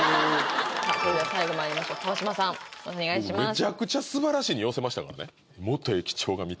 めちゃくちゃ「すばらしい」に寄せましたからね